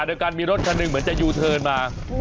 ขณะเดียวกันมีรถคันหนึ่งเหมือนจะยูเทินมา